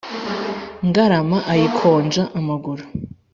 Ngarama ayikonja amaguru